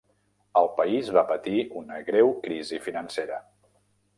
El país va patir una greu crisi financera.